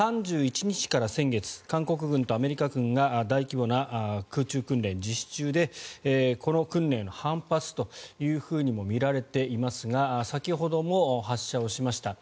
先月３１日から韓国軍とアメリカ軍が大規模な空中訓練を実施中でこの訓練の反発というふうにもみられていますが先ほども発射しました。